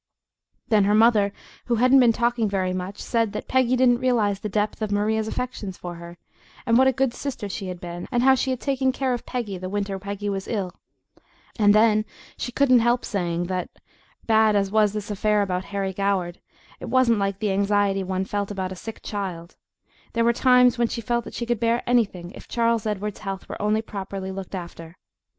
Then her mother, who hadn't been talking very much, said that Peggy didn't realize the depth of Maria's affection for her, and what a good sister she had been, and how she had taken care of Peggy the winter that Peggy was ill and then she couldn't help saying that, bad as was this affair about Harry Goward, it wasn't like the anxiety one felt about a sick child; there were times when she felt that she could bear anything if Charles Edward's health were only properly looked after.